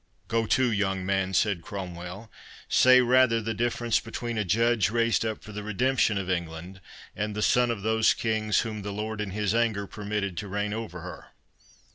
"Go to, young man," said Cromwell; "say rather the difference between a judge raised up for the redemption of England, and the son of those Kings whom the Lord in his anger permitted to reign over her.